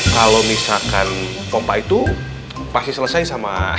kalau misalkan pompa itu pasti selesai sama